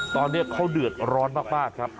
ตอนนี้เขาเดือดร้อนมากครับ